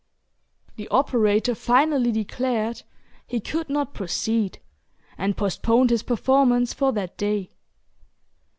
The operator finally declared he could not proceed, and postponed his performance for that day.